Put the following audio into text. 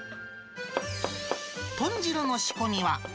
豚汁の仕込みは。